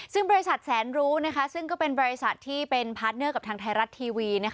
ซึ่งบริษัทแสนรู้ซึ่งก็เป็นบริษัทที่เป็นพาร์ทเนอร์กับทางไทยรัฐทีวี